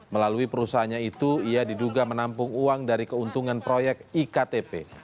melalui perusahaannya itu ia diduga menampung uang dari keuntungan proyek iktp